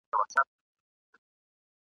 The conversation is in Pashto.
لکه وروڼه یو له بله سره ګران ول ..